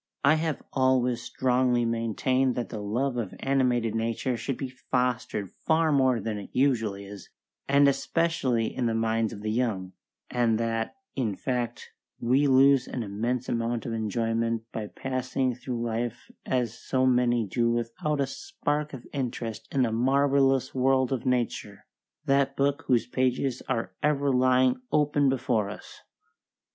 I have always strongly maintained that the love of animated nature should be fostered far more than it usually is, and especially in the minds of the young; and that, in fact, we lose an immense amount of enjoyment by passing through life as so many do without a spark of interest in the marvellous world of nature, that book whose pages are ever lying open before us.